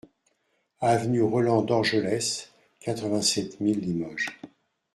Avenue Roland Dorgelès, quatre-vingt-sept mille Limoges